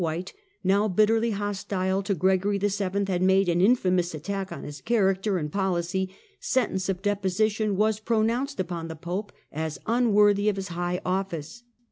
°' White, now bitterly hostile to Gregory VII., had made yn^^^en an infamous attack on his character and policy, sentence tenced to '■'' deposition of deposition was pronounced upon the Pope, as unworthy of his high office.